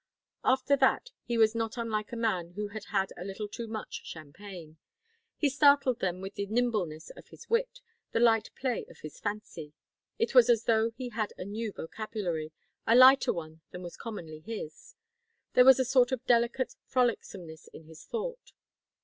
After that he was not unlike a man who had had a little too much champagne. He startled them with the nimbleness of his wit, the light play of his fancy. It was as though he had a new vocabulary, a lighter one than was commonly his. There was a sort of delicate frolicsomeness in his thought.